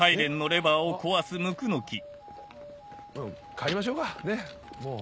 帰りましょうかねっもう。